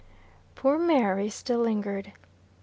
Poor Mary still lingered.